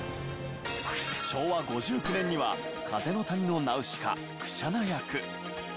昭和５９年には『風の谷のナウシカ』クシャナ役。